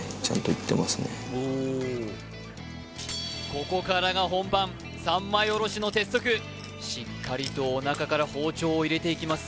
ここからが本番三枚おろしの鉄則しっかりとおなかから包丁を入れていきます